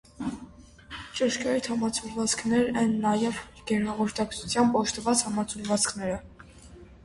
Ճշգրիտ համաձուլվածքներ են նաև գերհաղորդականությամբ օժտված համաձուլվածքները։